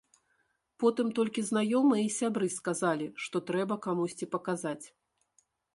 Потым толькі знаёмыя і сябры сказалі, што трэба камусьці паказаць.